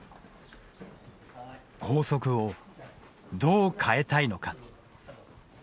校則をどう変えたいのか。